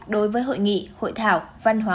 đối với hội nghị hội thảo văn hóa